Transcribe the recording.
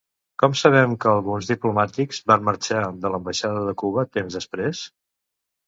Com sabem que alguns diplomàtics van marxar de l'Ambaixada de Cuba temps després?